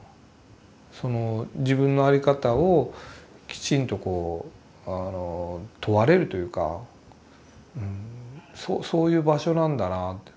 その自分の在り方をきちんとこう問われるというかそういう場所なんだなぁと。